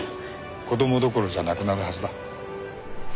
子供どころじゃなくなるはずだ。